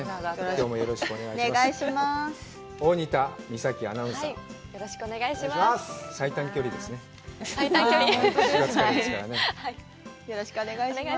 きょうもよろしくお願いします。